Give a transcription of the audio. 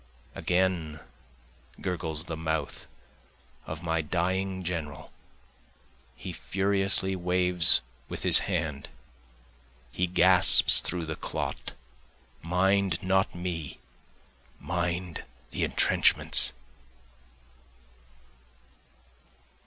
Again gurgles the mouth of my dying general, he furiously waves with his hand, He gasps through the clot Mind not me mind the entrenchments.